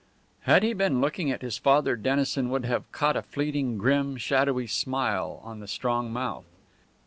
Had he been looking at his father Dennison would have caught a fleeting, grim, shadowy smile on the strong mouth.